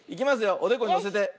おでこにのせて。